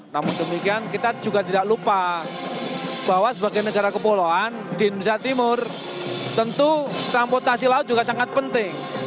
namun demikian kita juga tidak lupa bahwa sebagai negara kepulauan di indonesia timur tentu transportasi laut juga sangat penting